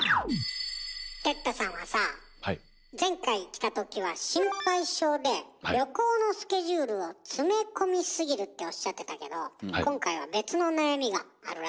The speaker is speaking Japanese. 哲太さんはさあ前回来た時は心配性で旅行のスケジュールを詰め込みすぎるっておっしゃってたけど今回はあら。